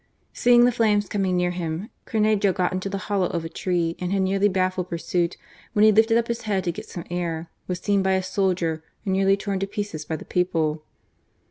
Seeing the flames coming near him, Comejo got into the hollow of a tree, and had nearly bafiSed pursuit when he lifted up his head to get some air, was seen by a soldier and nearly torn to pieces by the people.